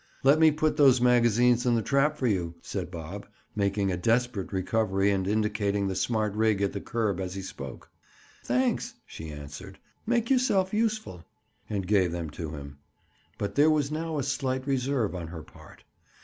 "Let me put those magazines in the trap for you?" said Bob, making a desperate recovery and indicating the smart rig at the curb as he spoke. "Thanks," she answered. "Make yourself useful." And gave them to him. But there was now a slight reserve on her part.